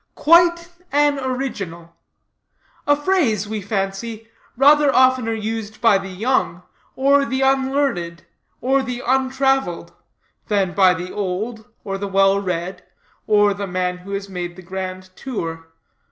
"Quite an original:" A phrase, we fancy, rather oftener used by the young, or the unlearned, or the untraveled, than by the old, or the well read, or the man who has made the grand tour.